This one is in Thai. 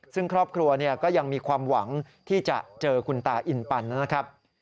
ซึ่งครอบครัวก็ยังมีความหวังที่จะเจอคุณตาอินปันนะครับ